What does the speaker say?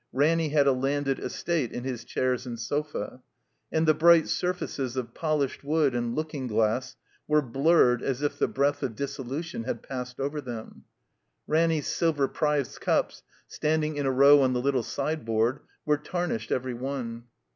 Ranny had a landed estate in his chairs and sofa. And the bright sxirfaces of polished wood and looking glass were blurred as if the breath of dissolution had passed over them. Ranny's silver prize cups, standing in a row on the little sideboard, were tarnished every one.